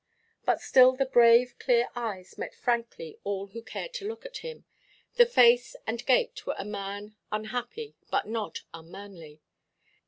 But still the brave clear eyes met frankly all who cared to look at him; the face and gait were of a man unhappy but not unmanly.